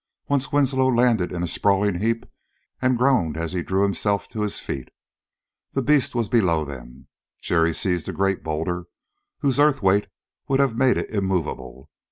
Once Winslow landed in a sprawling heap and groaned as he drew himself to his feet. The beast was below them. Jerry seized a great boulder, whose earth weight would have made it immovable.